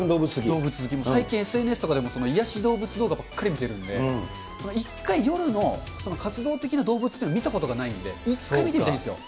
動物好き、最近ＳＮＳでも癒やし動物動画ばっかり見てるんで、１回、夜の活動的な動物、見たことがないんで、一回見てみたいんですよ。